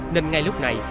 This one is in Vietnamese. nên ngay lúc này